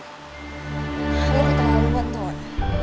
nanti ini kita lalu betul